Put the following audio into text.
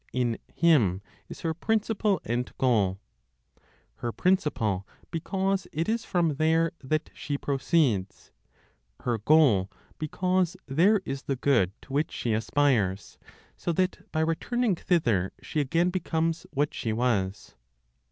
In Him is her principle and goal; her principle, because it is from there that she proceeds; her goal, because there is the good to which she aspires, so that by returning thither she again becomes what she was.